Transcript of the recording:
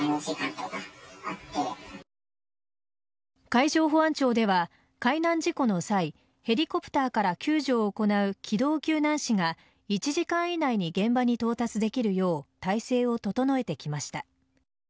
海上保安庁では海難事故の際ヘリコプターから救助を行う機動救難士が１時間以内に現場に到達できるよう体制を整えてきました。